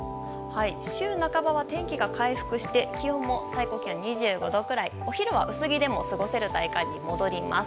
週半ばは天気が回復して気温も２５度くらい、お昼は薄着でも過ごせる体感に戻ります。